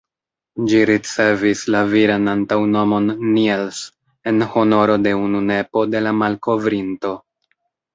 Ĝi ricevis la viran antaŭnomon ""Niels"" en honoro de unu nepo de la malkovrinto.